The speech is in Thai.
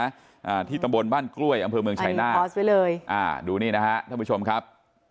อ่าที่ตำบลบ้านกล้วยอำเภอเมืองชัยนาอ่าดูนี่นะฮะท่านผู้ชมครับ